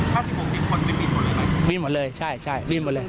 ห้าสิบหกสิบคนวิ่นหมดเลยไหมวิ่นหมดเลยใช่ใช่วิ่นหมดเลย